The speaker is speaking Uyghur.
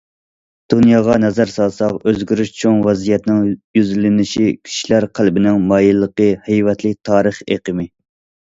دۇنياغا نەزەر سالساق، ئۆزگىرىش چوڭ ۋەزىيەتنىڭ يۈزلىنىشى، كىشىلەر قەلبىنىڭ مايىللىقى، ھەيۋەتلىك تارىخ ئېقىمى.